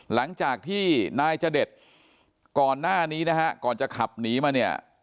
หลังจากที่นายจเดชก่อนหน้านี้นะฮะก่อนจะขับหนีมาเนี่ย